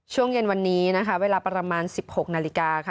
ช่วงเย็นวันนี้นะคะเวลาประมาณ๑๖นาฬิกาค่ะ